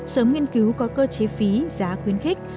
sớm nghiên cứu có cơ chế phí giá khuyến khích